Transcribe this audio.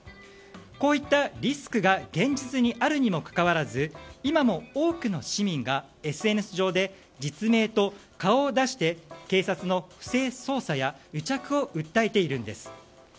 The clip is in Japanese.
こういったリスクが現実にあるにもかかわらず今も多くの市民がＳＮＳ上で実名と顔を出して警察の不正捜査や癒着を訴えているんです。